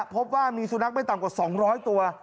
พบว่ามีสุนัขไม่ต่ำกว่า๒๐๐ตัว